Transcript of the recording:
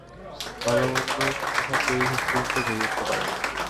ভালোমন্দর কথা কেউই শেষ পর্যন্ত ভেবে উঠতে পারে না।